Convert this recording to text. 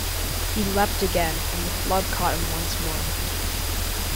He leapt again, and the club caught him once more.